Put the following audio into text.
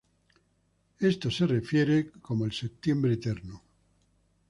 Este es referido como el Septiembre Eterno.